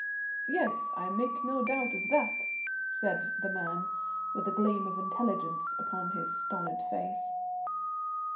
"Yes, I make no doubt of that," said the man, with a gleam of intelligence upon his stolid face.